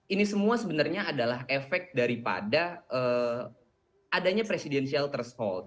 ini semua sebenarnya adalah efek daripada adanya presidential threshold